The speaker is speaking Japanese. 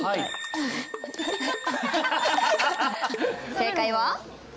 正解は？